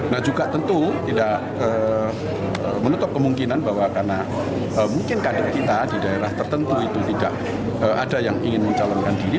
nah juga tentu tidak menutup kemungkinan bahwa karena mungkin kader kita di daerah tertentu itu tidak ada yang ingin mencalonkan diri